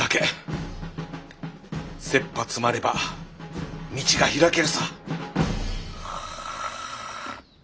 せっぱ詰まれば道が開けるさ。